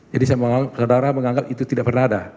jadi saudara menganggap itu tidak pernah ada